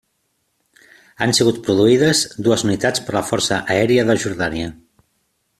Han sigut produïdes dues unitats per la Força Aèria de Jordània.